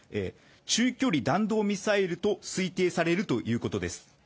中距離弾道ミサイルと推定されるということです。